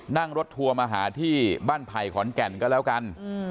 นั่งรถทัวร์มาหาที่บ้านไผ่ขอนแก่นก็แล้วกัน